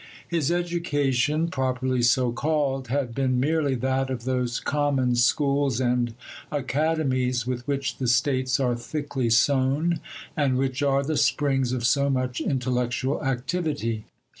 His education, properly so called, had been merely that of those common schools and academies with which the States are thickly sown, and which are the springs of so much intellectual activity.